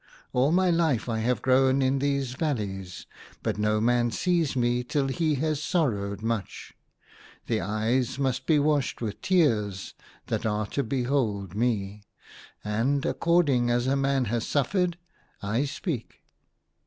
All my life I have grown in these valleys ; but no man sees me till 28 T^E HUNTER. he has sorrowed much. The eyes must be washed with tears that are to behold me ; and, according as a man has suf fered, I speak."